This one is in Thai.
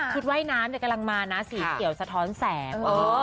ว่ายน้ำกำลังมานะสีเขียวสะท้อนแสง